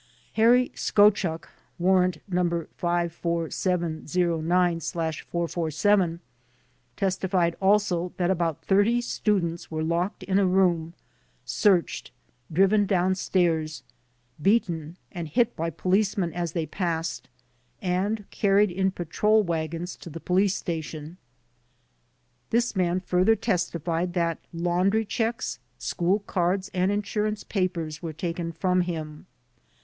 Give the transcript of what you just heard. Harry Skochuk (Warrant No. 54709/447) testified also that about thirty students were locked in a room, searched, driven downstairs, beaten and hit by police men as they passed, and carried in patrol wagons to the police station. This man further testified that laundry checks, school cards and insurance papers were taken from him.